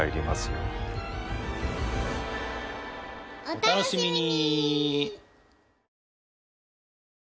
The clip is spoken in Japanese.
お楽しみに！